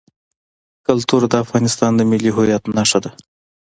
کلتور د افغانستان د ملي هویت نښه ده.